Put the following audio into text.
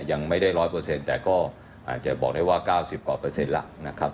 ยังไม่ได้๑๐๐แต่ก็อาจจะบอกได้ว่า๙๐กว่าเปอร์เซ็นต์แล้วนะครับ